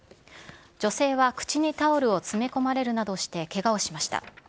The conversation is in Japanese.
女性は口にタオルを詰め込まれるなどしてけがをしました。